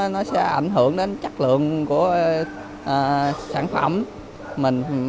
nó sẽ ảnh hưởng đến chất lượng của sản phẩm